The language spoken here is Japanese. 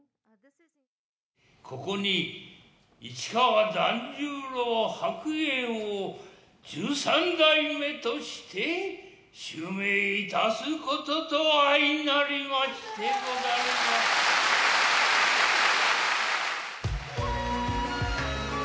ここに市川團十郎白猿を十三代目として襲名いたすことと相成りましてござりまする。